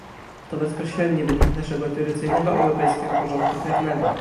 To bezpośredni wynik naszego tradycyjnego europejskiego porządku prawnego